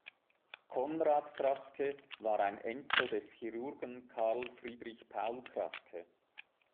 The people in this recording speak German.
Konrad Kraske war ein Enkel des Chirurgen Karl Friedrich Paul Kraske.